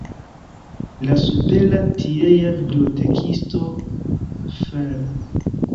La supera tiea bibliotekisto Fr.